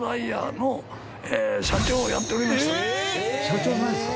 社長さんですか？